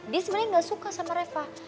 dia sebenarnya gak suka sama reva